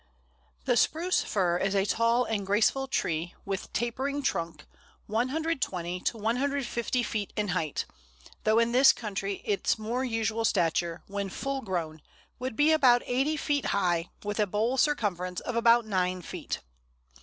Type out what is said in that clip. The Spruce Fir is a tall and graceful tree with tapering trunk, 120 to 150 feet in height, though in this country its more usual stature, when full grown, would be about 80 feet high, with a bole circumference of about 9 feet.